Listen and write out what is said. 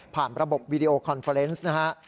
ผ่านระบบวิดีโอคอนเฟอร์เฟอร์เนสนะฮะ